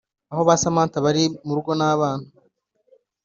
aho ba samantha bari murugo nabana